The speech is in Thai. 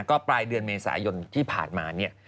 ก็ปลายเดือนเมษายนที่ผ่านมาเนี่ย